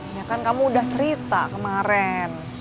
ya kan kamu udah cerita kemarin